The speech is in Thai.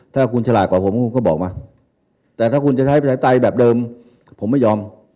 ถ้าคุณฉลาดกว่าผมคุณก็บอกมาแต่ถ้าคุณจะใช้ประชาธิปไตยแบบเดิมผมไม่ยอม